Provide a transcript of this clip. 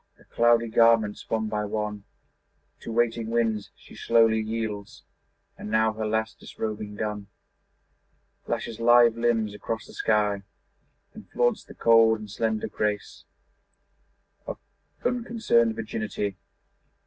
Her cloudy garments one by one To waiting winds she slowly yields, And now, her last disrobing done, Flashes lithe limbs across the sky And flaunts the cold and slender grace Of unconcerned virginity.